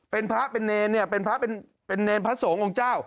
เป็นพระเป็นเนรเป็นพระโสงองค์เจ้า